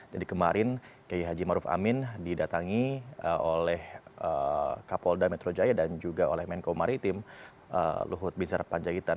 jadi kemarin kiai haji maruf amin didatangi oleh kapolda metro jaya dan juga oleh menko maritim luhut binsara panjangitan